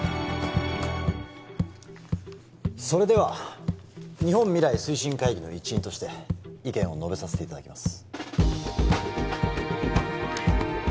それでは日本未来推進会議の一員として意見を述べさせていただきます